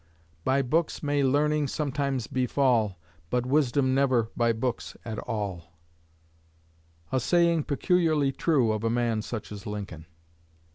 "By books may Learning sometimes befall, But Wisdom never by books at all," a saying peculiarly true of a man such as Lincoln.